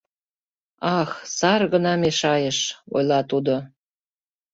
— Ах, сар гына мешайыш, — ойла тудо.